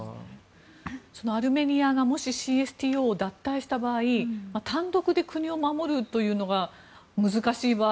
そのアルメニアがもしＣＳＴＯを脱退した場合単独で国を守るというのが難しい場合